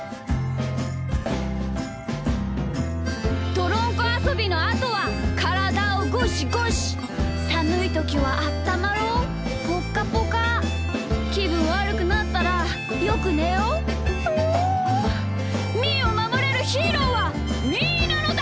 「どろんこあそびのあとはからだをゴシゴシ」「さむいときはあったまろうぽっかぽか」「きぶんわるくなったらよくねよう！」「みーをまもれるヒーローはみーなのだ！」